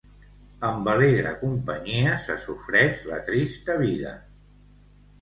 Amb alegre companyia se sofreix la trista vida.